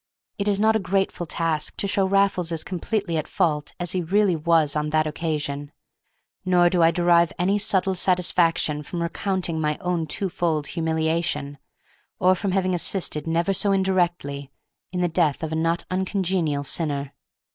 It is not a grateful task to show Raffles as completely at fault as he really was on that occasion; nor do I derive any subtle satisfaction from recounting my own twofold humiliation, or from having assisted never so indirectly in the death of a not uncongenial sinner.